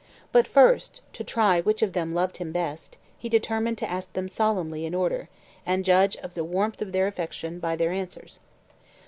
But first, to try which of them loved him best, he determined to ask them solemnly in order, and judge of the warmth of their affection by their answers.